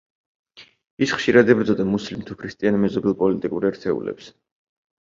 ის ხშირად ებრძოდა მუსლიმ თუ ქრისტიან მეზობელ პოლიტიკურ ერთეულებს.